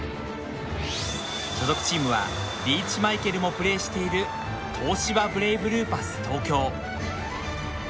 所属チームはリーチマイケルもプレーしている東芝ブレイブルーパス東京。